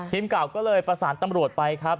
ทีมข่าวก็เลยประสานตำรวจไปครับ